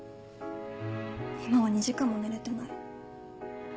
今は２時間も寝れてない。